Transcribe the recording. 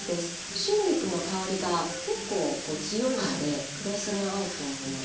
春菊の香りが結構強いので黒酢が合うと思います。